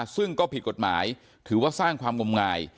ซึ่งก็ผิดกฎหมายถือว่าสร้างความงมงาย